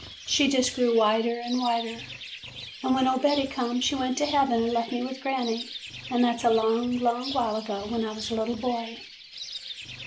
She just grew whiter and whiter, and when old Betty come she went to heaven and left me with granny. And that 's a long, long while ago, when I was a little boy.